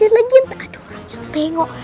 aduh orang yang tengok